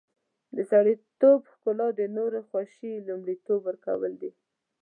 د سړیتوب ښکلا د نورو خوښي لومړیتوب ورکول دي.